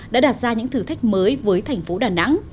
đã đạt ra những thử thách mới với thành phố đà nẵng